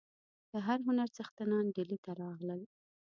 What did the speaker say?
د هر هنر څښتنان ډهلي ته راغلل.